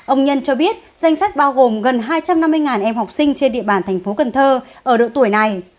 ông nhân cho biết danh sách bao gồm gần hai trăm năm mươi em học sinh trên địa bàn tp hcm ở độ tuổi này